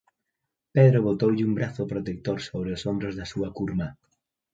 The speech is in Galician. Pedro botoulle un brazo protector sobre os ombros da súa curmá.